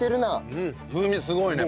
うん風味すごいね。